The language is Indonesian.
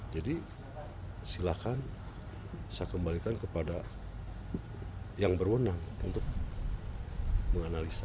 jadi silahkan saya kembalikan kepada yang berwenang untuk menganalisa